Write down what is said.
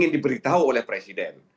yang diberikan oleh presiden